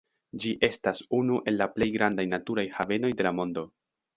Ĝi estas unu el la plej grandaj naturaj havenoj de la mondo.